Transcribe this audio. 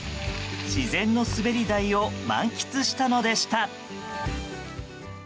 自然の滑り台を満喫したのでした。